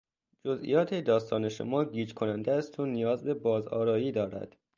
جزئیات داستان شما گیج کننده است و نیاز به بازآرایی دارد.